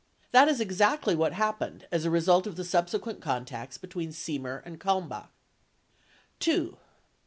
That is exactly what happened as a result of the subsequent contacts between Seiner and Kalmbach. 2.